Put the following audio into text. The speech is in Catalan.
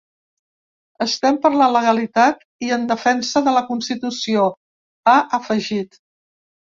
Estem per la legalitat i en defensa de la constitució, ha afegit.